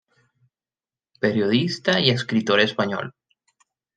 Periodista y escritor español.